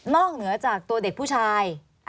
เหนือจากตัวเด็กผู้ชาย